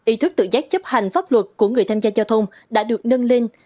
ý thức tự giác chấp hành pháp luật của người tham gia giao thông đã được nâng lên